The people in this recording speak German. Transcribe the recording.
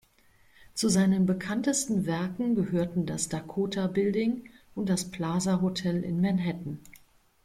Zu seinen bekanntesten Werken gehörten das Dakota-Building und das Plaza Hotel in Manhattan.